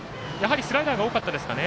スライダーが多かったですかね。